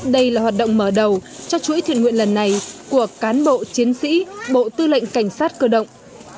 đây là hoạt động mở đầu cho chuỗi thiền nguyện lần này của cán bộ chiến sĩ bộ tư lệnh cảnh sát cơ động